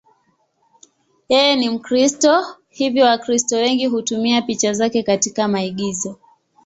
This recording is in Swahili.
Yeye ni Mkristo, hivyo Wakristo wengi hutumia picha zake katika maigizo.